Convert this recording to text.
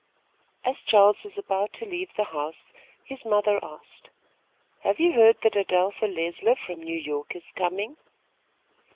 As Charles was about to leave the house, his mother asked: "Have you heard that Adelpha Leisler from New York is coming?"